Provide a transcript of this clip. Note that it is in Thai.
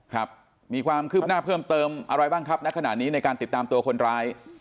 ครับมีความคืบหน้าเพิ่มเติมอะไรบ้างครับณขณะนี้ในการติดตามตัวคนร้าย